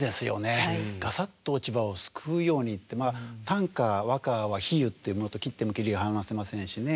「ガサッと落葉」を「すくふやうに」って短歌・和歌は比喩っていうものと切っても切り離せませんしね